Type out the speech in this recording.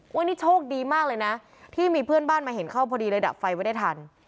วันนี้โชคดีมากเลยนะที่มีเพื่อนบ้านมาเห็นเข้าพอดีเลยดับไฟไว้ได้ทัน